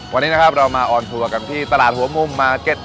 วันนี้นะครับเรามาออนท์ทัวร์กันที่ตลาดหัวมุม